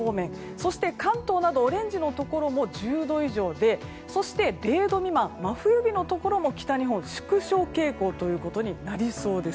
そして関東などオレンジのところも１０度以上で０度未満の真冬日のところも北日本、縮小傾向となります。